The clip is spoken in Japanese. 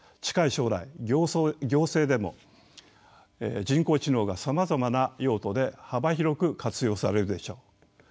近い将来行政でも人工知能がさまざまな用途で幅広く活用されるでしょう。